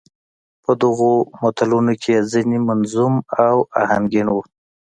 په دغو متلونو کې يې ځينې منظوم او اهنګين وو.